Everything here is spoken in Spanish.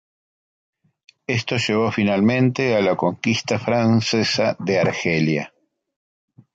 Esto llevó finalmente a la conquista francesa de Argelia.